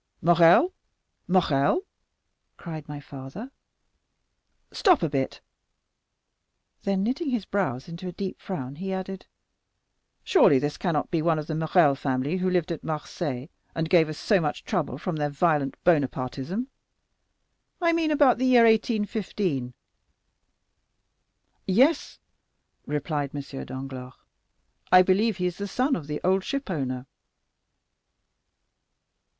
"'Morrel, Morrel,' cried my father, 'stop a bit;' then knitting his brows into a deep frown, he added, 'surely this cannot be one of the Morrel family who lived at Marseilles, and gave us so much trouble from their violent Bonapartism—I mean about the year 1815.' "'Yes,' replied M. Danglars, 'I believe he is the son of the old shipowner.